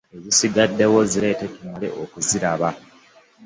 Ezisigaddewo zireete tumale okuziraba.